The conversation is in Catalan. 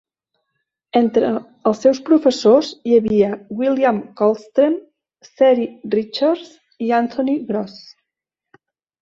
Entre els seus professors hi havia William Coldstream, Ceri Richards i Anthony Gross.